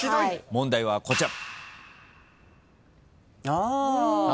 問題はこちら。